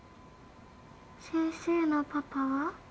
先生のパパは？